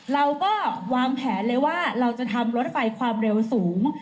เราก็วางแผนเลยว่าเราจะทำรถไฟความเร็วสูง